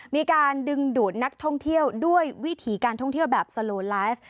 มีการดึงดูดนักท่องเที่ยวด้วยวิถีการท่องเที่ยวแบบสโลไลฟ์